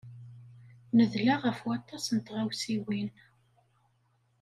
Nedla ɣef waṭas n tɣawsiwin.